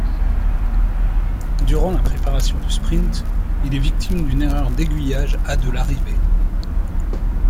Durant la préparation du sprint, il est victime d’une erreur d’aiguillage à de l'arrivée.